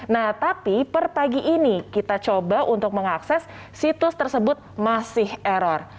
nah tapi per pagi ini kita coba untuk mengakses situs tersebut masih error